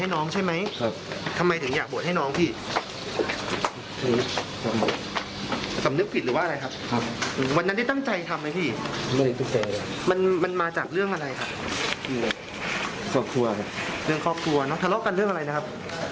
น้องทะเลาะกันเรื่องอะไรนะครับ